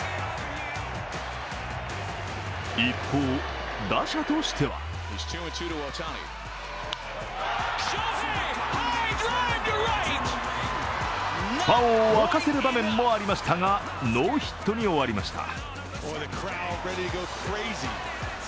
一方、打者としてはファンを沸かせる場面もありましたが、ノーヒットに終わりました。